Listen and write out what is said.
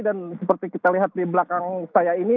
dan seperti kita lihat di belakang saya ini